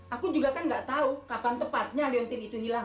aku juga kan nggak tahu kapan tepatnya leontin itu hilang